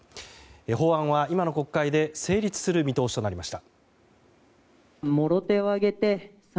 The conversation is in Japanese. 法案は今の国会で成立する見通しとなりました。